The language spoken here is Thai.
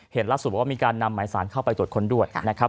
ล่าสุดบอกว่ามีการนำหมายสารเข้าไปตรวจค้นด้วยนะครับ